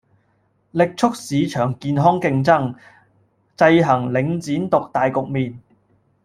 力促市場健康競爭，制衡領展獨大局面